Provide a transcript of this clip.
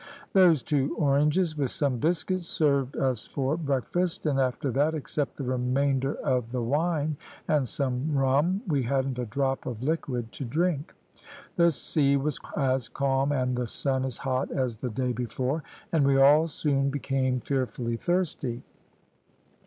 "Those two oranges, with some biscuit, served us for breakfast, and after that, except the remainder of the wine and some rum, we hadn't a drop of liquid to drink. The sea was as calm and the sun as hot as the day before, and we all soon became fearfully thirsty.